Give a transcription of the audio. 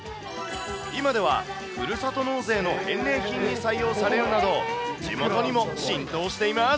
今ではふるさと納税の返礼品に採用されるなど、地元にも浸透しています。